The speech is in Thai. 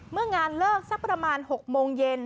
เมื่องานเลิกสักประมาณ๖โมงเย็น